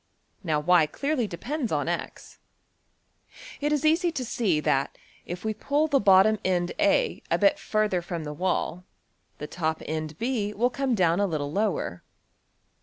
Now $y$~clearly depends on~$x$. It is easy to see that, if we pull the bottom end~$A$ a bit further from the wall, the top end~$B$ will come down a little lower.